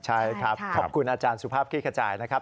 ใช่ครับขอบคุณอาจารย์สุภาพคลี่ขจายนะครับ